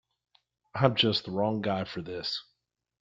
I'm just the wrong guy for this.